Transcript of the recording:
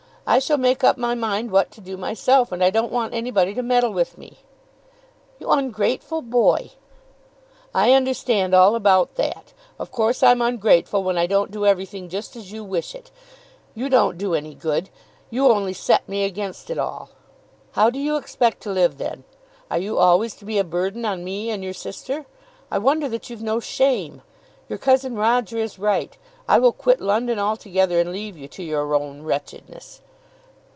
I shall make up my mind what to do myself, and I don't want anybody to meddle with me." "You ungrateful boy!" "I understand all about that. Of course I'm ungrateful when I don't do everything just as you wish it. You don't do any good. You only set me against it all." "How do you expect to live, then? Are you always to be a burden on me and your sister? I wonder that you've no shame. Your cousin Roger is right. I will quit London altogether, and leave you to your own wretchedness."